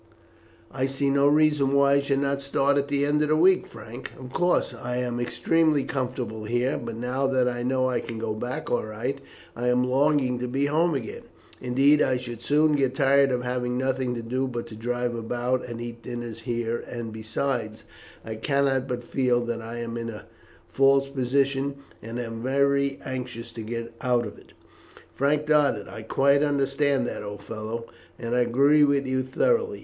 "I see no reason why I should not start at the end of the week, Frank. Of course, I am extremely comfortable here; but now that I know I can go back all right I am longing to be home again. Indeed I should soon get tired of having nothing to do but to drive about and eat dinners here; and besides, I cannot but feel that I am in a false position, and am very anxious to get out of it." Frank nodded. "I quite understand that, old fellow, and I agree with you thoroughly.